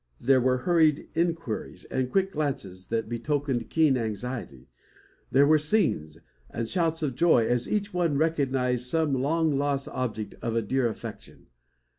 There were hurried inquiries, and quick glances, that betokened keen anxiety. There were "scenes" and shouts of joy, as each one recognised some long lost object of a dear affection.